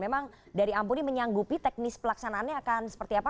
memang dari ampuri menyanggupi teknis pelaksanaannya akan seperti apa